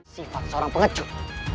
sifat seorang pengecut